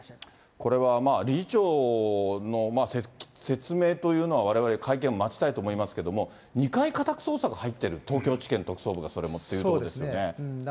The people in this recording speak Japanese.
これはもう、理事長の説明というのはわれわれ、会見を待ちたいと思いますけど、２回家宅捜索入ってる、東京地検特捜部がそれもっていうところですよね。